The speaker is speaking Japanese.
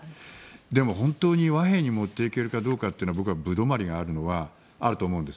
でも本当に和平に持っていけるかどうかは僕は歩留まりがあると思うんです。